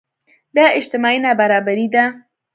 دا اجتماعي نابرابري ده.